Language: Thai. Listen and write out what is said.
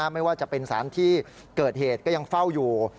ไม่ว่าจะเป็นสารที่เกิดเหตุก็ยังเฝ้าอยู่